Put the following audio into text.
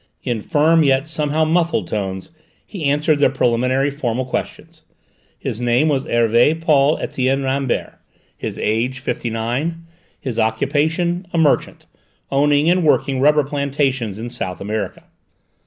In firm, yet somehow muffled tones, he answered the preliminary formal questions. His name was Hervé Paul Etienne Rambert; his age, fifty nine; his occupation, a merchant, owning and working rubber plantations in South America.